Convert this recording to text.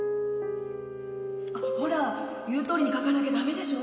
ほら言うとおりに書かなきゃダメでしょ。